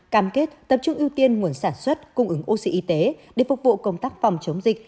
cam kết tập trung ưu tiên nguồn sản xuất cung ứng oxy y tế để phục vụ công tác phòng chống dịch